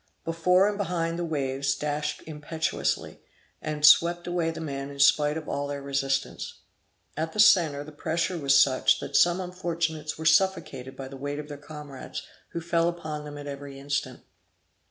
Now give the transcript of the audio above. Before and behind the waves dashed impetuously, and swept away the men in spite of all their resistance. At the centre the pressure was such, that some unfortunates were suffocated by the weight of their comrades, who fell upon them at every instant.